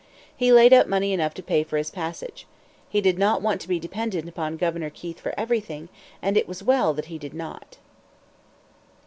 He laid up money enough to pay for his passage. He did not want to be dependent upon Governor Keith for everything; and it was well that he did not.